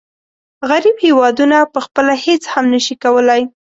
غریب هېوادونه پخپله هیڅ هم نشي کولای.